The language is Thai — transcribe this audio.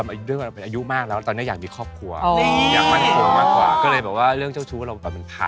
แล้วแม่ของลูกมันยังไงคะ